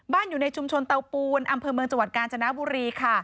อยู่ในชุมชนเตาปูนอำเภอเมืองจังหวัดกาญจนบุรีค่ะ